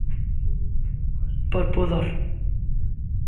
Por pudor.